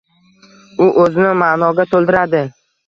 U o‘zini ma’noga to‘ldiradi.